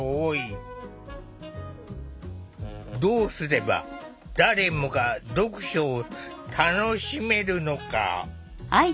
どうすれば誰もが読書を楽しめるのか。